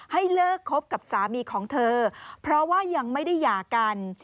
ให้เลิกคบกับสามีของเธอเพราะว่ายังไม่ได้หย่ากัน